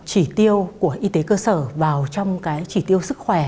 chỉ tiêu của y tế cơ sở vào trong cái chỉ tiêu sức khỏe